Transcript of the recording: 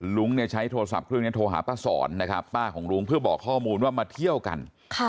ลุงเนี่ยใช้โทรศัพท์เครื่องนี้โทรหาป้าสอนนะครับป้าของลุงเพื่อบอกข้อมูลว่ามาเที่ยวกัน